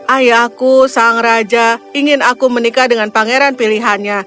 ayahku sang raja ingin aku menikah dengan pangeran pilihannya